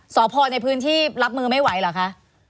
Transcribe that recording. สพในพื้นที่รับมือไม่ไหวเหรอคะ